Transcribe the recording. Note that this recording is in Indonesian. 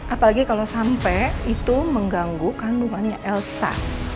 apalagi kalau sampai itu mengganggu kandungannya elsa